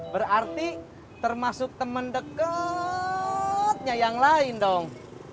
berarti termasuk teman dekatnya yang lain dong